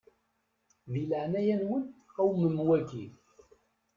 Di leɛnaya-nwen qewmem waki.